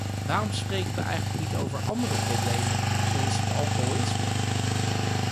Waarom spreken wij eigenlijk ook niet over andere problemen, zoals het alcoholisme?